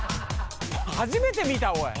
初めて見たおい。